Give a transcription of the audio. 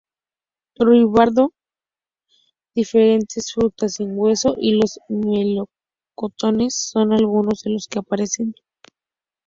Ruibarbo, diferentes frutas sin hueso y los melocotones son algunos de los que aparecen.